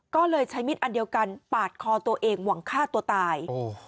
ก็เลยใช้มิดอันเดียวกันปาดคอตัวเองหวังฆ่าตัวตาย